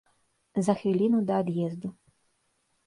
За хвіліну да ад'езду.